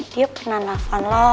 dia pernah nafal lo